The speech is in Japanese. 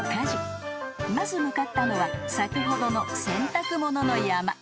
［まず向かったのは先ほどの洗濯物の山］